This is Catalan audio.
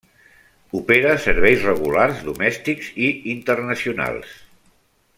Opera serveis regulars domèstics i internacionals.